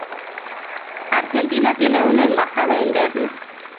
Argentina tiene una embajada en Berna.